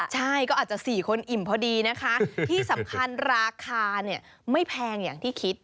ใช่ก็อาจจะ๔คนอิ่มพอดีนะคะที่สำคัญราคาเนี่ยไม่แพงอย่างที่คิด